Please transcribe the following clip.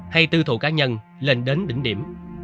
hay tư thù cá nhân lên đến đỉnh điểm